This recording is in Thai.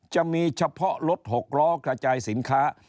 จะมีเฉพาะรถหกล้อกระจายสินค้า